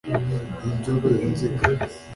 nyanzobe ya nziga